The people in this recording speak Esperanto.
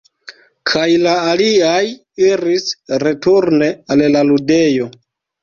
Kaj la aliaj iris returne al la ludejo.